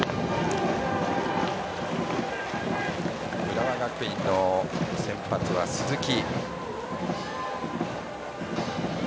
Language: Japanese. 浦和学院の先発は鈴木。